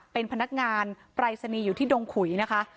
เป็นพนักงานปรายศนีย์อยู่ที่ดงขุยนะคะ